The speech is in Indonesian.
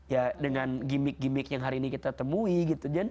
ya dengan gimmick gimmick yang hari ini kita temui gitu